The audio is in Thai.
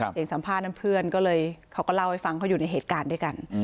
เสียงสัมภาษณ์นั้นเพื่อนก็เลยเขาก็เล่าให้ฟังเขาอยู่ในเหตุการณ์ด้วยกัน